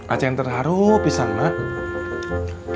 acing terharu pisang mak